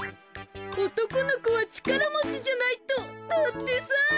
「おとこのこはちからもちじゃないと」だってさ。